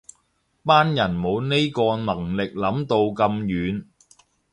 班人冇呢個能力諗到咁遠